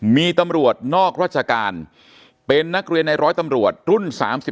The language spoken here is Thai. มีตำรวจนอกราชการเป็นนักเรียนในร้อยตำรวจรุ่น๓๔